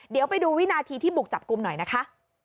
เดี๋ยวไปดูวินาทีที่บุกจับกลุ่มหน่อยนะคะ